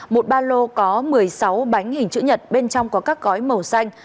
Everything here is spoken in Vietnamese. một ba lô có một mươi sáu bánh hình chữ nhật bên trong có các gói màu xanh